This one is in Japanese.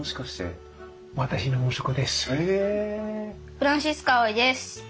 フランシスコ碧です。